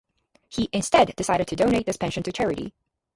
He instead decided to donate this pension to charity.